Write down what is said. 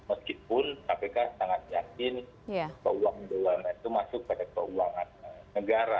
meskipun kpk sangat yakin keuangan bumn itu masuk pada keuangan negara